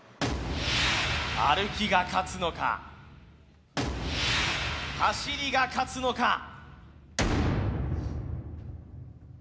歩きが勝つのか、走りが勝つのか。